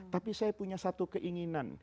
tapi saya punya satu keinginan